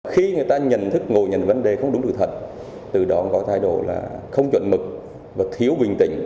khi người ta nhận thức ngồi nhận vấn đề không đúng sự thật từ đó có thái độ là không chuẩn mực và thiếu bình tĩnh